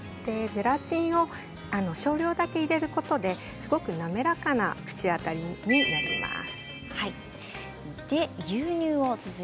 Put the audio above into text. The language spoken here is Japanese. ゼラチンを少量だけ入れることですごく滑らかな口当たりになります。